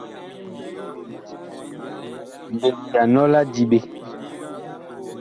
Mbeŋ ya nɔ la diɓe.